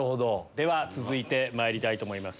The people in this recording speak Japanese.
続いてまいりたいと思います